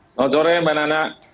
selamat sore mbak nana